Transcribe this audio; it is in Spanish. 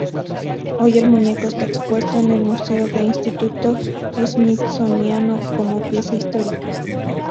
Hoy el muñeco está expuesto en un museo del Instituto Smithsoniano como pieza histórica.